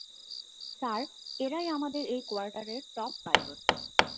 Sir, এরাই আমাদের এই কোয়ার্টার এর টপ পাইলট।